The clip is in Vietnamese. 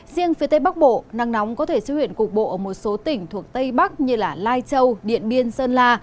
riêng phía tây bắc bộ nắng nóng có thể xuất hiện cục bộ ở một số tỉnh thuộc tây bắc như lai châu điện biên sơn la